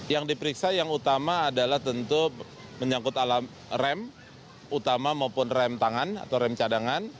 yang diperiksa yang utama adalah tentu menyangkut rem utama maupun rem tangan atau rem cadangan